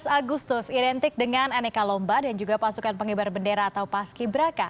tujuh belas agustus identik dengan aneka lomba dan juga pasukan pengibar bendera atau paski braka